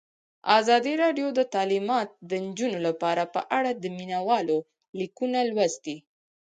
ازادي راډیو د تعلیمات د نجونو لپاره په اړه د مینه والو لیکونه لوستي.